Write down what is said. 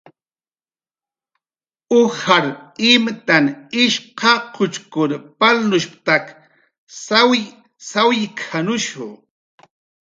"Ujar imtan ish qachuchkun palnushp""tak sawy sawk""anushu"